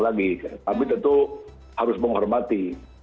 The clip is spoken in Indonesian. tapi tentu harus menghormati